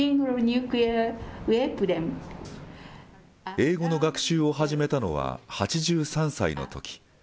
英語の学習を始めたのは８３歳のとき。